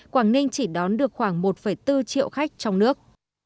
quảng ninh chỉ đón được khoảng một bốn triệu khách trong nước